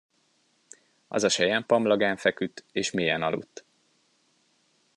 Az a selyempamlagán feküdt, és mélyen aludt.